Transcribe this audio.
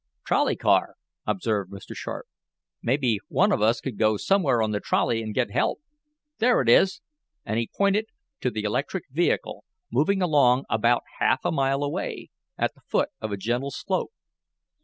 "Trolley car," observed Mr. Sharp. "Maybe one of us could go somewhere on the trolley and get help. There it is," and he pointed to the electric vehicle, moving along about half a mile away, at the foot of a gentle slope.